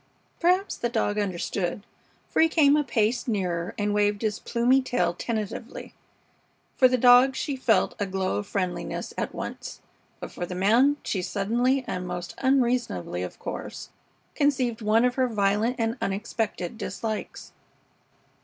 Perhaps the dog understood, for he came a pace nearer and waved his plumy tail tentatively. For the dog she felt a glow of friendliness at once, but for the man she suddenly, and most unreasonably, of course, conceived one of her violent and unexpected dislikes.